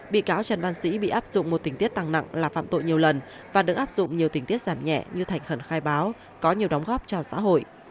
bị cáo trần văn sĩ bị áp dụng một tình tiết tăng nặng là phạm tội nhiều lần và được áp dụng nhiều tình tiết giảm nhẹ như thành khẩn khai báo có nhiều đóng góp cho xã hội